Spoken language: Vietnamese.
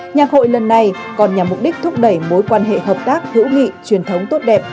nhạc hội lần này còn nhằm mục đích thúc đẩy mối quan hệ hợp tác hữu nghị truyền thống tốt đẹp